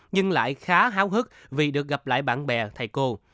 nhưng lại khá háo hức vì được gặp lại bạn bè thầy cô